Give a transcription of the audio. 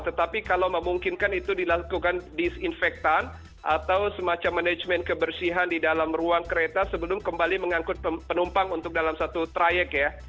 tetapi kalau memungkinkan itu dilakukan disinfektan atau semacam manajemen kebersihan di dalam ruang kereta sebelum kembali mengangkut penumpang untuk dalam satu trayek ya